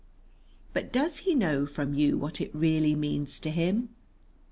But does he know from you what it really means to him?